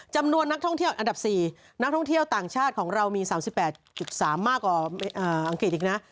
จำนวนนักท่องเที่ยวอันดับ๔นักท่องเที่ยวต่างชาติของเรามี๓๘๓มากกว่าอังกฤษอีกนะ